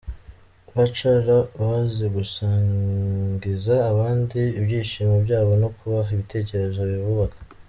Ba Cara bazi gusangiza abandi ibyishimo byabo no kubaha ibitekerezo bibubaka.